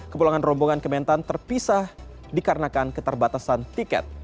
kepulangan rombongan kementan terpisah dikarenakan keterbatasan tiket